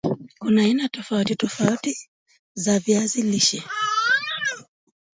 kuna aina tofauti tofauti za viazi lishe